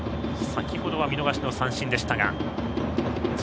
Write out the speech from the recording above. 先ほどは見逃しの三振でした。